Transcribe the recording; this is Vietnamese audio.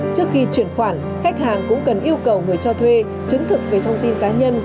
trước khi chuyển khoản khách hàng cũng cần yêu cầu người cho thuê chứng thực về thông tin cá nhân